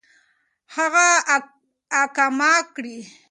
هغه اقامه كړي .